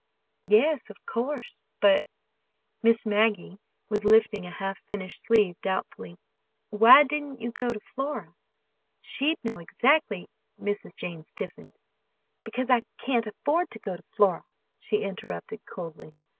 "Yes, of course, but"—Miss Maggie was lifting a half finished sleeve doubtfully—"why didn't you go to Flora? She'd know exactly—" Mrs. Jane stiffened. "Because I can't afford to go to Flora," she interrupted coldly.